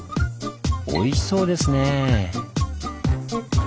おいしそうですね。